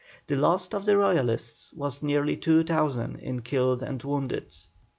The loss of the Royalists was nearly 2,000 in killed and wounded.